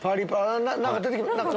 何か出て来た。